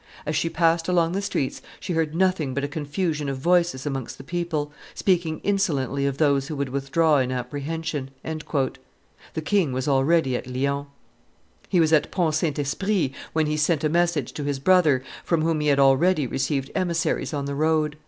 "As she passed along the streets she heard nothing but a confusion of voices amongst the people, speaking insolently of those who would withdraw in apprehension." The king was already at Lyons. He was at Pont Saint Esprit when he sent a message to his brother, from whom he had already received emissaries on the road.